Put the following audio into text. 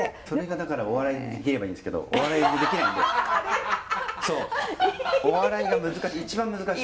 それがだからお笑いにできればいいんですけどお笑いにできないんで。